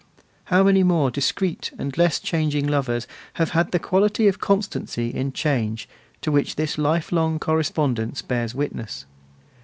How many more discreet and less changing lovers have had the quality of constancy in change, to which this life long correspondence bears witness?